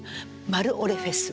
「マルオレフェス」。